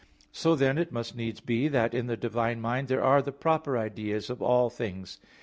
So, then, it must needs be that in the divine mind there are the proper ideas of all things.